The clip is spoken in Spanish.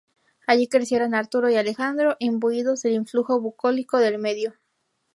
Allí crecieron Arturo y Alejandro, imbuidos del influjo bucólico del medio.